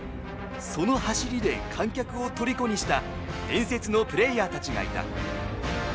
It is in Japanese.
その走りで観客をとりこにした伝説のプレーヤーたちがいた。